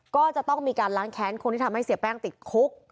ก็จะต้องมีการล้างแค้นคนที่ทำให้เสียแป้งติดคุก